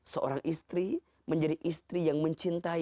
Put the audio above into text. seorang istri menjadi istri yang mencintai